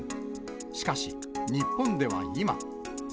しかし、日本では今。